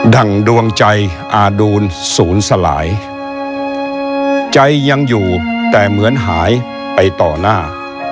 ดั่งดวงใจอาดูลศูนย์สลายใจยังอยู่แต่เหมือนหายไปต่อหน้า